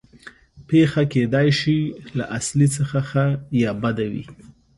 پېښه کېدای شي له اصلي څخه ښه یا بده وي